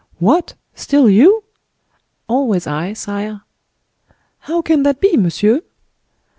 "What! still you?" "Always I, sire." "How can that be, monsieur?"